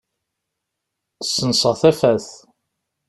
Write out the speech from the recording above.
Ssenseɣ tafat.